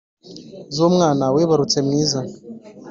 z’umwana wibarutse mwiza